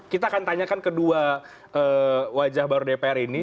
kita akan tanyakan kedua wajah baru dpr ini